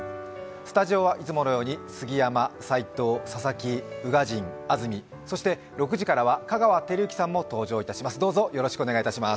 スタジオはいつものように杉山、齋藤、佐々木、宇賀神、安住、そして６時からは香川照之さんも登場いたします。